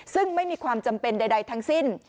ซึ่งไม่มีความจำเป็นใดทั้งสิ้น